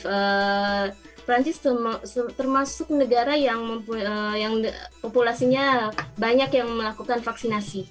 perancis termasuk negara yang populasinya banyak yang melakukan vaksinasi